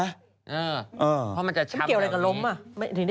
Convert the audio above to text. เพราะมันจะชำแบบนี้